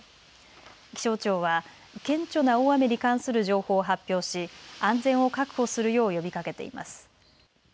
気象庁は顕著な大雨に関する情報を発表し安全を確保するよう呼びかけています。